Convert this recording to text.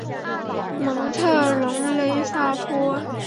蒙特龙勒沙托。